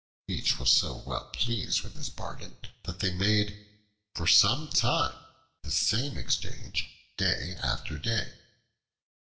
Each was so well pleased with his bargain that they made for some time the same exchange day after day.